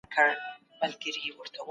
تدريس د ښوونکي د پلان تابع وي.